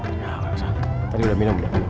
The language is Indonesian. ya nggak usah tadi udah minum